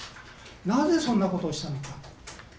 なぜそんなことをしたのか。